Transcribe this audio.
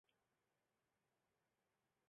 常见于五至十四岁孩童。